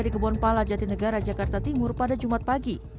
di kebun pala jatinegara jakarta timur pada jumat pagi